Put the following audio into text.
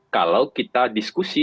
kalau kita diskusi